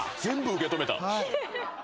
全部受け止めた。